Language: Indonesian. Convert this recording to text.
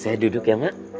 saya duduk ya ma